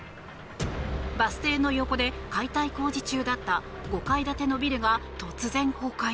バス停の横で解体工事中だった５階建てのビルが突然、崩壊。